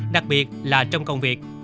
đặc biệt là trong công việc